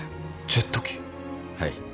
はい。